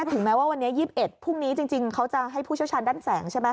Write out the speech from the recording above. ถึงแม้ว่าวันนี้๒๑พรุ่งนี้จริงเขาจะให้ผู้เชี่ยวชาญด้านแสงใช่ไหม